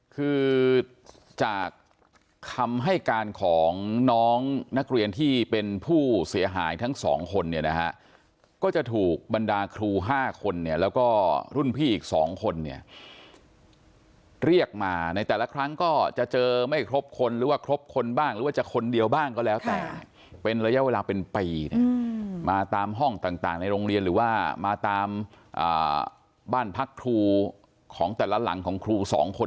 คือจากคำให้การของน้องนักเรียนที่เป็นผู้เสียหายทั้งสองคนเนี่ยนะฮะก็จะถูกบรรดาครู๕คนเนี่ยแล้วก็รุ่นพี่อีก๒คนเนี่ยเรียกมาในแต่ละครั้งก็จะเจอไม่ครบคนหรือว่าครบคนบ้างหรือว่าจะคนเดียวบ้างก็แล้วแต่เป็นระยะเวลาเป็นปีเนี่ยมาตามห้องต่างในโรงเรียนหรือว่ามาตามบ้านพักครูของแต่ละหลังของครูสองคน